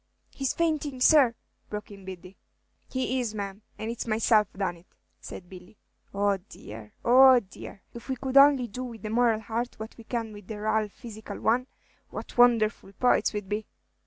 "He's fainting, sir," broke in Biddy. "He is, ma'am, and it's myself done it," said Billy. "Oh, dear, oh, dear! If we could only do with the moral heart what we can with the raal physical one, what wonderful poets we 'd be!"